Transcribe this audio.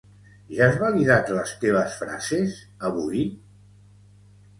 Ja has validad les teves frases, avui?